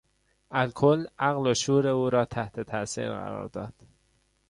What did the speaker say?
الکل عقل و شعور او را تحت تاثیر قرار داد.